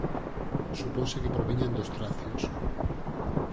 Suponse que proviñan dos tracios.